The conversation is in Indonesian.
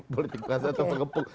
politik rasa atau pengepung